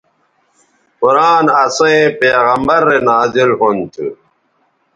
قرآن اسئیں پیغمبرؐ رے نازل ھُون تھو